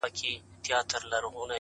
• كه بې وفا سوې گراني ؛